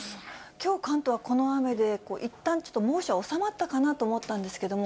きょう、関東はこの雨で、いったん、ちょっと猛暑は収まったかなと思ったんですけれども。